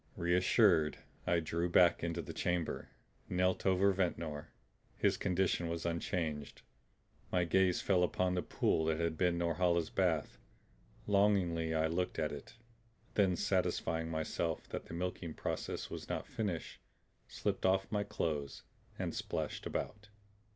Reassured, I drew back into the chamber, knelt over Ventnor. His condition was unchanged. My gaze fell upon the pool that had been Norhala's bath. Longingly I looked at it; then satisfying myself that the milking process was not finished, slipped off my clothes and splashed about.